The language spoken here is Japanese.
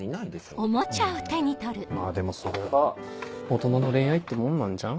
うんまぁでもそれが大人の恋愛ってもんなんじゃん？